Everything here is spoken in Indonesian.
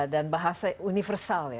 dan bahasa universal